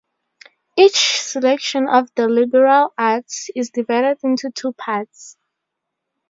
Each section of the liberal arts is divided into two parts.